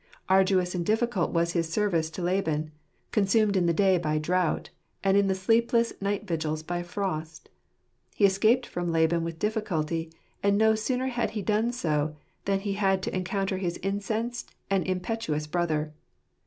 Arduous and difficult was his service to Laban, consumed in the day by drought, and in the sleep less night vigils by frost. He escaped from Laban with difficulty ; and no sooner had he done so than he had to encounter his incensed and impetuous brother.